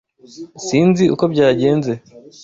Sinzi uko byagenze.